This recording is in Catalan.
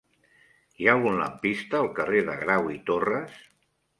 Hi ha algun lampista al carrer de Grau i Torras?